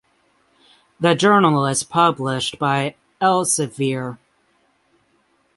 The journal is published by Elsevier.